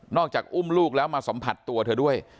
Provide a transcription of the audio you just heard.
จากอุ้มลูกแล้วมาสัมผัสตัวเธอด้วย